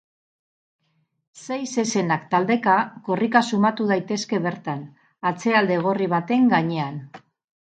Sei zezenak taldeka korrika sumatu daitezke bertan, atzealde gorri baten gainean.